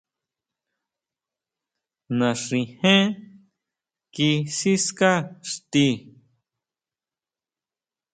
Naxijén kí siská xti.